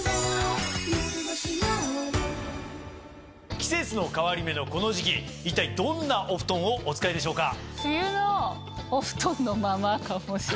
季節の変わり目のこの時期一体どんなお布団をお使いでしょうか？